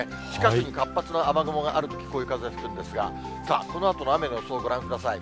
近くに活発な雨雲があるとき、こういう風が吹くんですが、さあ、そのあとの雨の予想ご覧ください。